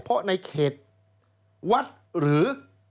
เพราะในเขตวัดหรือ